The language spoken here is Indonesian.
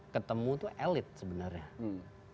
ketemu tuh elite sebenarnya hmm